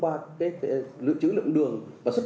ai xác nhận là chính xác